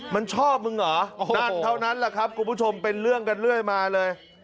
มันชอบมึงเหรอนั่นเท่านั้นแหละครับคุณผู้ชมเป็นเรื่องกันเรื่อยมาเลย